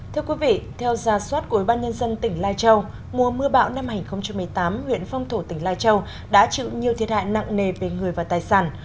thưa quý vị theo giả soát của ủy ban nhân dân tỉnh lai châu mùa mưa bão năm hai nghìn một mươi tám huyện phong thổ tỉnh lai châu đã chịu nhiều thiệt hại nặng nề về người và tài sản